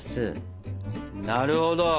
なるほど。